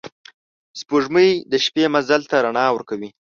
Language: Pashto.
سپوږمۍ د شپې مزل ته رڼا ورکوي